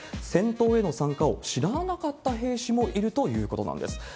戦闘への参加を知らなかった兵士もいるということなんです。